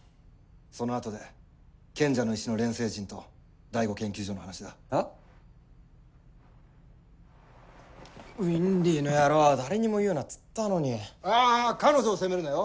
そのあとで賢者の石の錬成陣と第五研究所の話だあっウィンリィの野郎誰にも言うなっつったのにああ彼女を責めるなよ